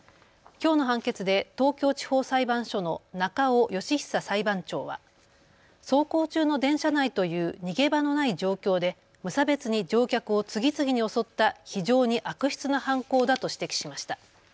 きょうの判決で東京地方裁判所の中尾佳久裁判長は走行中の電車内という逃げ場のない状況で無差別に乗客を次々に襲った非常に悪質な犯行だと指摘しました。